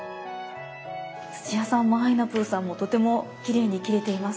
土屋さんもあいなぷぅさんもとてもきれいに切れています。